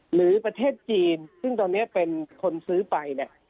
หรือประเทศจีนซึ่งตอนนี้เป็นคนซื้อไปเนี่ย